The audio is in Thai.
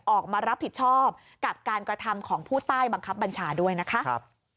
ออกมารับผิดชอบกับการกระทำของผู้ใต้บังคับบัญชาด้วยนะคะ